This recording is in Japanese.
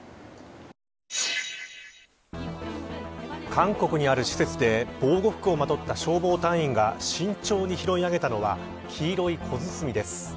韓国にある施設で防護服をまとった消防隊員が慎重に拾い上げたのは黄色い小包です。